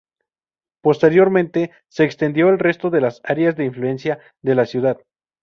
Posteriormente, se extendió al resto de las áreas de influencia de la ciudad.